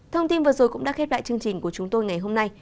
thông tin vừa rồi cũng đã khép lại chương trình của chúng tôi ngày hôm nay